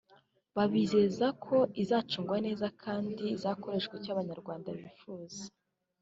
babizeza ko izacungwa neza kandi igakoreshwa icyo Abanyarwanda bifuza